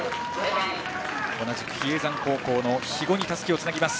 同じく比叡山高校の肥後にたすきを渡します。